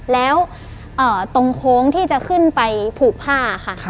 แล้วตรงโค้งที่จะขึ้นไปผูกผ้าค่ะ